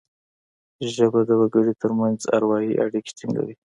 ژبه د وګړو ترمنځ اروايي اړیکي ټینګوي